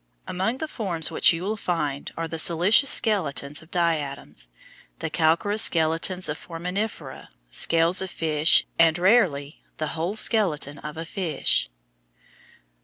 Among the forms which you will find are the silicious skeletons of diatoms, the calcareous skeletons of foraminifera, scales of fish, and, rarely, the whole skeleton of a fish.